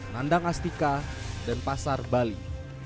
nandang astika dan pasar bali